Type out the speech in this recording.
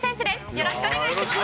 よろしくお願いします。